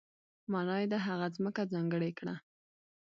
معنا یې ده هغه ځمکه ځانګړې کړه.